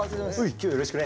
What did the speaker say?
今日はよろしくね。